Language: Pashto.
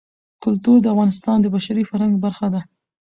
کلتور د افغانستان د بشري فرهنګ برخه ده.